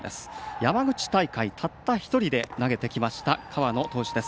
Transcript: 山口大会たった１人で投げてきた河野です。